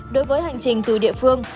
đối với hành trình từ địa phương